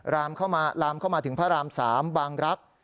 ลามเข้ามาลามเข้ามาถึงพระราม๓บางรักษ์